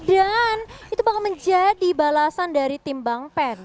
dan itu bakal menjadi balasan dari tim bang pen